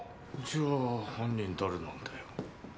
じゃあ犯人誰なんだよ。